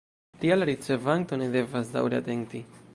Tial la ricevanto ne devas daŭre atenti.